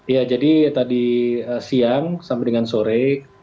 ya jadi tadi siang sampai dengan sore